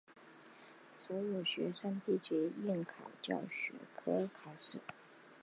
所有学生必须应考数学科考试。